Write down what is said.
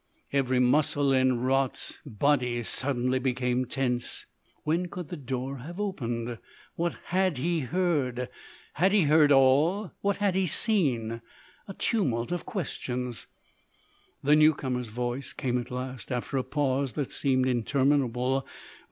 Every muscle in Raut's body suddenly became tense. When could the door have opened? What had he heard? Had he heard all? What had he seen? A tumult of questions. The new comer's voice came at last, after a pause that seemed interminable.